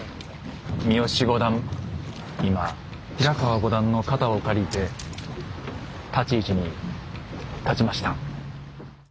三好五段今平川五段の肩を借りて立ち位置に立ちました。